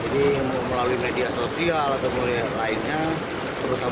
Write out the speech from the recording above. jadi melalui media sosial atau media lainnya terutama ke pmd